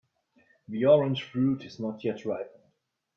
The orange fruit is not yet ripened.